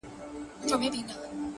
دې لېوني پنځه وارې څيښلي شراب _